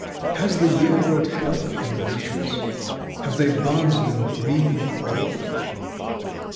Has the year brought health and riches? Have thy barns been brimming o'er?